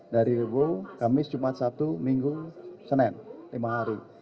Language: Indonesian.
dari rebu kamis jumat sabtu minggu senin lima hari